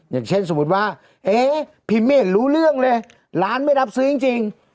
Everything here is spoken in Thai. อย่างเช่นสมมุติว่าเอ๊ะพิเมฆรู้เรื่องเลยร้านไม่รับซื้อจริง